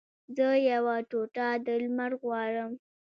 زه یوه ټوټه د لمر غواړم